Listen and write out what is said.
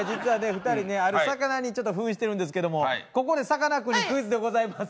２人ねある魚にちょっと扮してるんですけどもここでさかなクンにクイズでございます。